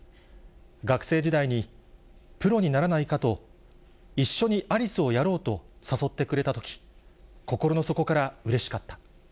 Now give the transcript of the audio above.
学生時代に、プロにならないか？と一緒にアリスをやろうと、誘ってくれたとき、心の底からうれしかった。